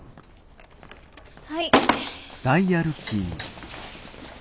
はい。